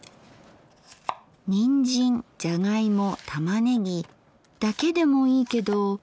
にんじんじゃがいも玉ねぎだけでもいいけど。